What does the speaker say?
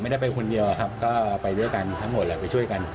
ได้ไปคนเดียวครับก็ไปด้วยกันทั้งหมดแหละไปช่วยกัน